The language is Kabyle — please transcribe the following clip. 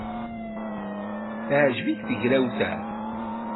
Teɛjeb-ik tegrawt-a?